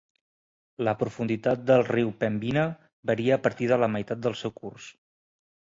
La profunditat del riu Pembina varia a partir de la meitat del seu curs.